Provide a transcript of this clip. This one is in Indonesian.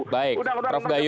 baik prof gayus